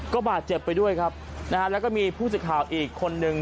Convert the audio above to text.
ก็บาดเจ็บไปด้วยครับนะฮะแล้วก็มีผู้สื่อข่าวอีกคนนึง